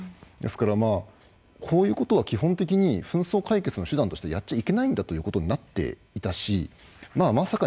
ですからまあこういうことは基本的に紛争解決の手段としてやっちゃいけないんだということになっていたしまあ